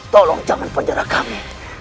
tolong jangan penjara kami